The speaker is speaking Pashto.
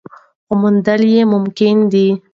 خو موندل یې ممکن دي.